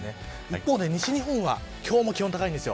一方で西日本は今日も気温が高いです。